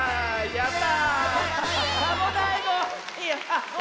やった！